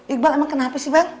iqbal emang kenapa sih bang